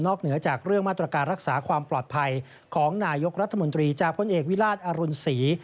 เหนือจากเรื่องมาตรการรักษาความปลอดภัยของนายกรัฐมนตรีจากพลเอกวิราชอรุณศรี